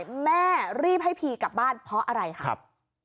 แม่รีบให้พีกลับบ้านเพราะอะไรครับ